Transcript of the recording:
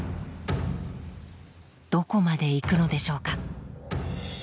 どこまで行くのでしょうか？